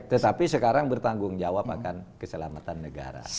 tetapi sekarang bertanggung jawab akan keselamatan negara